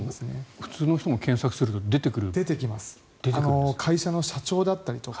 普通の人も検索すると出てくる。